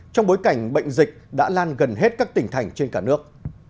trong bối cảnh bệnh dịch đã lan gần hết các tỉnh thành trên cả nước